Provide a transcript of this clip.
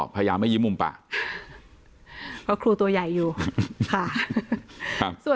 พยายามไม่ยิ้มมุมปากเพราะครูตัวใหญ่อยู่ค่ะ